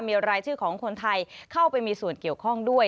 มีรายชื่อของคนไทยเข้าไปมีส่วนเกี่ยวข้องด้วย